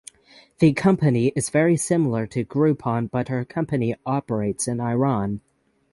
The company is very similar to Groupon but her company operates in Iran.